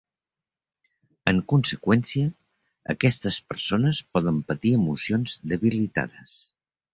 En conseqüència, aquestes persones poden patir emocions debilitades.